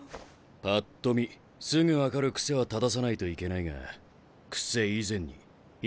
パッと見すぐ分かる癖は正さないといけないが癖以前に意識の問題だからな。